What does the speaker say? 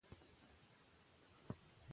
سیندونه د افغان ماشومانو د زده کړې موضوع ده.